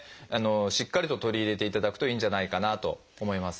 しっかりと取り入れていただくといいんじゃないかなと思いますね。